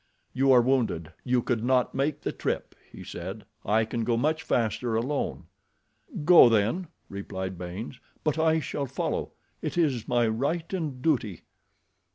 "You are wounded. You could not make the trip," he said. "I can go much faster alone." "Go, then," replied Baynes; "but I shall follow. It is my right and duty."